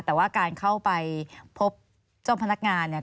แต่ว่าการเข้าไปพบเจ้าพนักงานเนี่ย